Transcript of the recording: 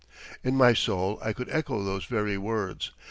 ] In my soul I could echo those very words.